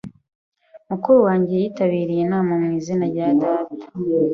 Mukuru wanjye yitabiriye inama mu izina rya data.